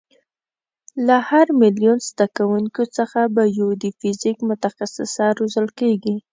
له هر میلیون زده کوونکیو څخه به یو د فیزیک متخصصه روزل کېږي.